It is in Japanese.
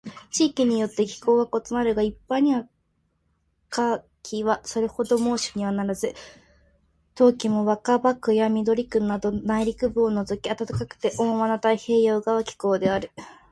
地域によって気候は異なるが、一般には夏季はそれほど猛暑にはならず、冬季も若葉区や緑区など内陸部を除き暖かくて温和な太平洋側気候である。